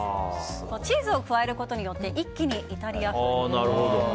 チーズを加えることによって一気にイタリアン風になると。